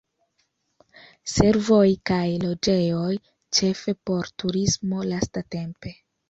Servoj kaj loĝejoj, ĉefe por turismo lastatempe.